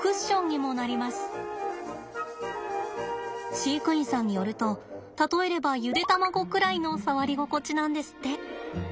飼育員さんによると例えればゆで卵ぐらいの触り心地なんですって。